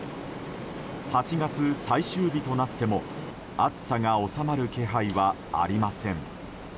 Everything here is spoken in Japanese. ８月最終日となっても暑さが収まる気配はありません。